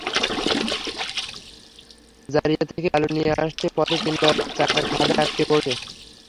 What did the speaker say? জারিয়া থেকে বালু নিয়ে আসতে পথে তিনবার চাকা খাদে আটকা পড়েছে।